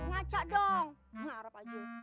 ngaca dong mengharap aja